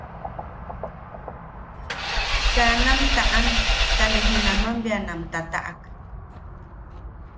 Kaa nam taʼan ta ne junaman bea nam tataʼak.